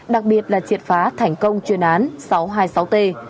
đặc biệt là triệt phá thành công chuyên án sáu trăm hai mươi sáu t